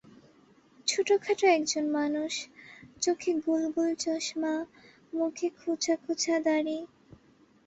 ছোটখাটো একজন মানুষ, চোখে গোল গোল চশমা, মুখে খোঁচ খোঁচা দাড়ি।